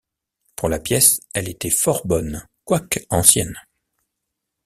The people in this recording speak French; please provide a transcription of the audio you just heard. Pour la pièce, elle était fort bonne, quoique ancienne.